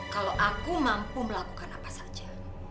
kalau aku mampu melakukan apa saja